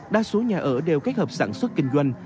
đa số nhà ở đều kết hợp sản xuất kinh doanh